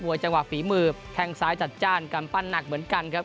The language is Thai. จังหวะฝีมือแข้งซ้ายจัดจ้านกำปั้นหนักเหมือนกันครับ